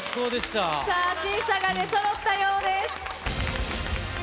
さあ、審査が出そろったようです。